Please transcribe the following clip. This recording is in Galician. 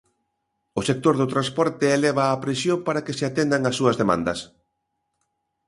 O sector do transporte eleva a presión para que se atendan as súas demandas.